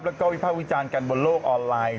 แล้วก็วิภาควิจารณ์กันบนโลกออนไลน์